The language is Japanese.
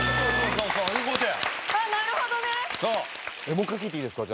もう一回聴いていいですか？